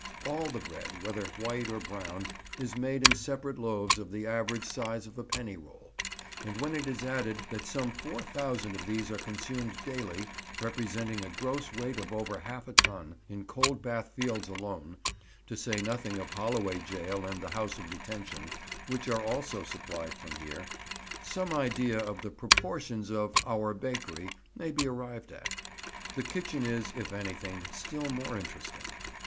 All the bread, whether white or brown, is made in separate loaves of the average size of a penny roll; and when it is added that some 4000 of these are consumed daily, representing a gross weight of over half a ton, in Coldbath Fields alone (to say nothing of Holloway Gaol and the House of Detention, which are also supplied from here), some idea of the proportions of "our bakery" may be arrived at. The kitchen is, if anything, still more interesting.